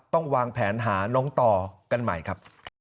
ต้องวางแผนหาน้องต่อกันใหม่ครับ